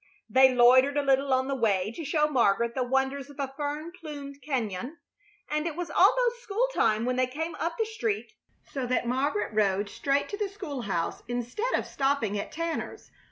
They loitered a little on the way to show Margaret the wonders of a fern plumed cañon, and it was almost school time when they came up the street, so that Margaret rode straight to the school house instead of stopping at Tanners'.